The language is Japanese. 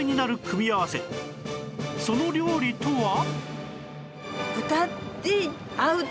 その料理とは？